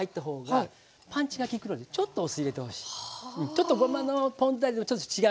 ちょっとごまのポン酢味とちょっと違うから。